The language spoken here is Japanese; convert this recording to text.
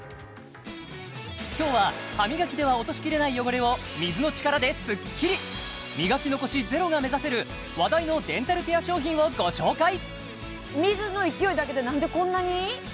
今日は歯磨きでは落としきれない汚れを水の力でスッキリ磨き残しゼロが目指せる話題のデンタルケア商品をご紹介水の勢いだけでなんでこんなに？